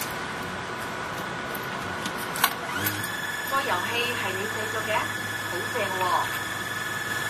個遊戲係你製作嘅？好正喎！